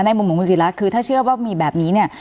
มุมของคุณศิราคือถ้าเชื่อว่ามีแบบนี้เนี่ย